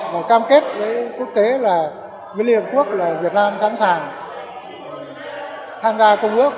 và cam kết với quốc tế là với liên hợp quốc là việt nam sẵn sàng tham gia công ước